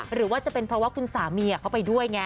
หรือว่าจะเป็นเพราะว่าคุณสามีเขาไปด้วยไง